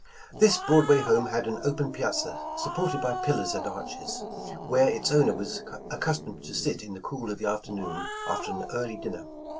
This Broadway home had an open piazza supported by pillars and arches, where its owner was accus 143 The Original John Jacob Astor tomed to sit in the cool of the afternoon after an early dinner.